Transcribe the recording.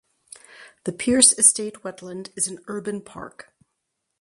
The Pearce Estate Wetland is an urban park.